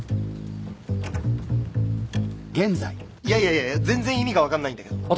いやいやいや全然意味が分かんないんだけど。